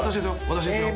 私ですよ。